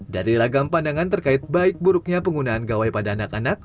dari ragam pandangan terkait baik buruknya penggunaan gawai pada anak anak